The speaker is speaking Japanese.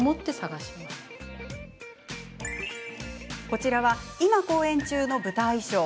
こちらは、今、公演中の舞台衣装。